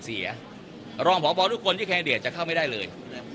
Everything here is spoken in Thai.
รองพบทุกคนที่แคนเดตจะเข้าไม่ได้เลย